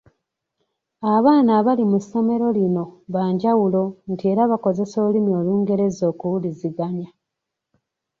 Abaana abali mu ssomero lino banjawulo nti era bakozesa olulimi Olungereza okuwuliziganya.